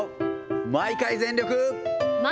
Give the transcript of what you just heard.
毎回全力。